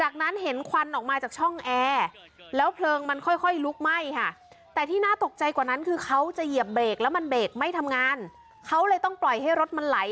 เขาเลยต้องปล่อยให้รถมันไหล